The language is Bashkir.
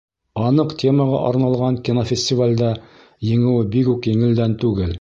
— Аныҡ темаға арналған кинофестивалдә еңеүе бигүк еңелдән түгел.